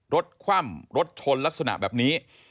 คว่ำรถชนลักษณะแบบนี้